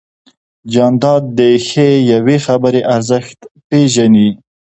جانداد د ښې یوې خبرې ارزښت پېژني.